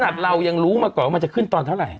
เรายังรู้มาก่อนว่ามันจะขึ้นตอนเท่าไหร่